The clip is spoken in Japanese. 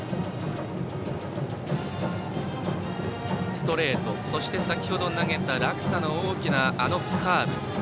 ストレート、先ほど投げた落差の大きなカーブ